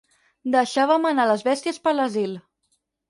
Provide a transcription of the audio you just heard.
Deixàvem anar les bèsties per l'asil.